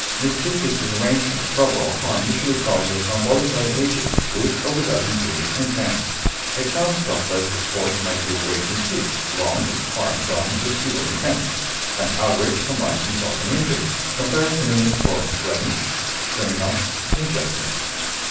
Mischief is disarrangement, trouble, or harm usually caused by some voluntary agent, with or without injurious intent; a child's thoughtless sport may do great mischief; wrong is harm done with evil intent. An outrage combines insult and injury. Compare synonyms for BLEMISH; CRIMINAL; INJUSTICE.